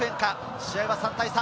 試合は３対３。